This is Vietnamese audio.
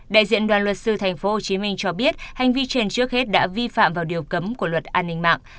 đại diện đoàn luật sư tp hcm cho biết hành vi trên trước hết đã vi phạm vào điều cấm của luật an ninh mạng